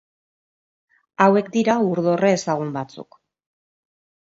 Hauek dira ur-dorre ezagun batzuk.